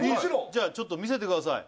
じゃちょっと見せてください